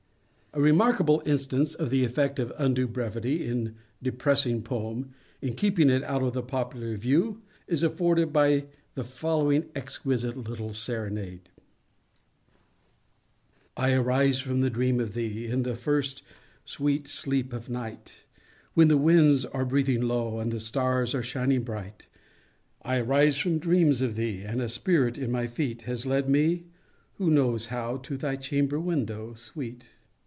A remarkable instance of the effect of undue brevity in depressing a poem, in keeping it out of the popular view, is afforded by the following exquisite little Serenade— I arise from dreams of thee In the first sweet sleep of night, When the winds are breathing low, And the stars are shining bright. I arise from dreams of thee, And a spirit in my feet Has led me—who knows how?— To thy chamber window, sweet!